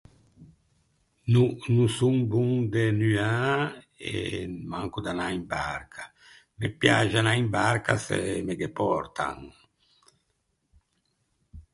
No, no son bon de nuâ e manco d’anâ in barca. Me piaxe anâ in barca se me ghe pòrtan.